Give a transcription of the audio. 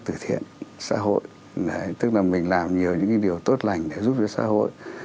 từ bi có nghĩa là tự thiện xã hội tức là mình làm nhiều những cái điều tốt lành để giúp cho xã hội